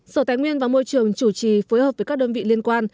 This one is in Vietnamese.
sở tài nguyên và môi trường chủ trì phối hợp với các đơn vị liên quan